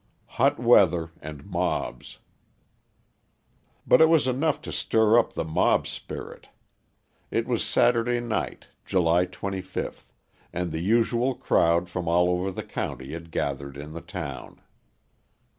Hot Weather and Mobs But it was enough to stir up the mob spirit. It was Saturday night, July 25th, and the usual crowd from all over the county had gathered in the town.